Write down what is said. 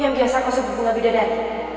yang biasa kau sebut bunga bidadat